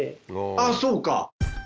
あぁそうか！